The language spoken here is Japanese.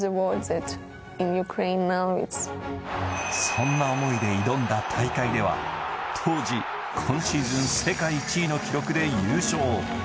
そんな思いで挑んだ大会では当時、今シーズン世界１位の記録で優勝。